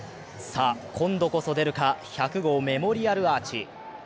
さあ今度こそ出るか、１００号メモリアルアーチ。